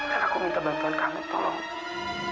dan aku minta bantuan kamu tolong